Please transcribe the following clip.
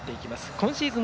今シーズン